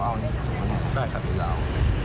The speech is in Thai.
เอานิดนึง